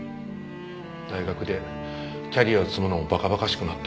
大学でキャリアを積むのも馬鹿馬鹿しくなって。